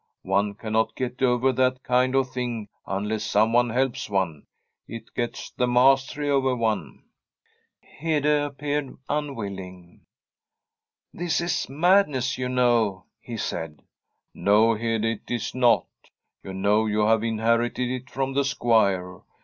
One cannot get over that kind of thing unless someone helps one ; it gets the mastery over one.' Hede appeared unwilling. * This is madness, you know,' he said. * No, Hede, it is not. You know you have in herited it from the Squire.